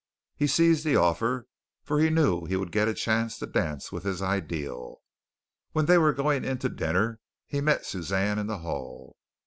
He seized the offer, for he knew he would get a chance to dance with his ideal. When they were going in to dinner, he met Suzanne in the hall.